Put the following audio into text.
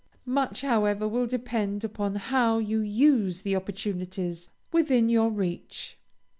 Much, however, will depend upon how you use the opportunities within your reach.